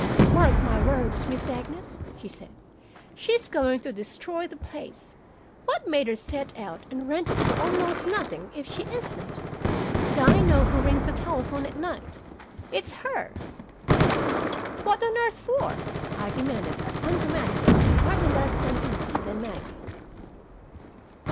"Mark my words, Miss Agnes," she said, "she's going to destroy the place. What made her set out and rent it for almost nothing if she isn't? And I know who rings the telephone at night. It's her." "What on earth for?" I demanded as ungrammatical and hardly less uneasy than Maggie.